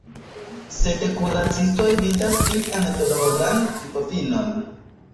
Sed kuracistoj vidas ilian doloran vivofinon.